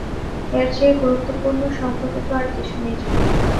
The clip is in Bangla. এর চেয়ে গুরুত্বপূর্ণ সম্ভবত আর কিছু নেই জীবনে।